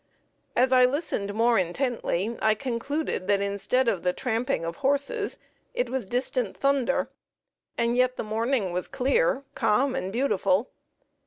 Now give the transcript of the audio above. As I listened more intently I concluded that instead of the tramping of horses it was distant thunder; and yet the morning was clear, calm and beautiful.